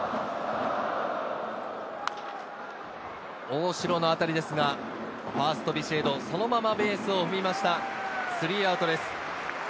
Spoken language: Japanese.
大城の当たりですが、ファースト、ビシエド、そのままベースを踏みました、３アウトです。